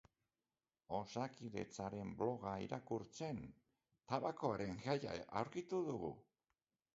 Osakidetzaren bloga irakurtzen tabakoaren gaia aurkitu dugu.